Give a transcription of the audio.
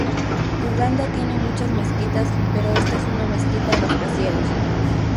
Uganda tiene muchas mezquitas pero esta es una mezquita rascacielos.